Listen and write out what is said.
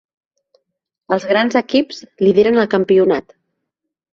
Els grans equips lideren el campionat.